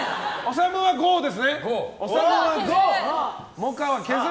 理はゴーですね。